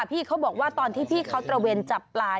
พี่เขาบอกว่าตอนที่พี่เขาตระเวนจับปลา